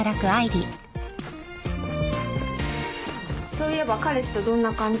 そういえば彼氏とどんな感じ？